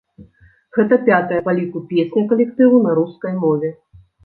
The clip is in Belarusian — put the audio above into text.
Гэта пятая па ліку песня калектыву на рускай мове.